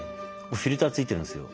フィルター付いてるんですよ。